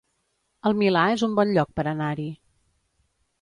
El Milà es un bon lloc per anar-hi